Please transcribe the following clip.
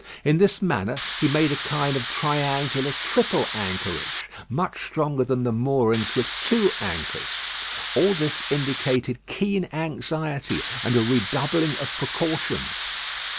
In this manner he made a kind of triangular, triple anchorage, much stronger than the moorings with two anchors. All this indicated keen anxiety, and a redoubling of precautions.